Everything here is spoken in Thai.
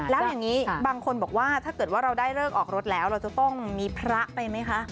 แล้วอย่างนี้บางคนบอกว่าถ้าเกิดว่าเราได้เลิกออกรถแล้วเราจะต้องมีพระไปไหมคะ